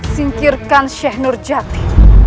singkirkan sheikh nurjati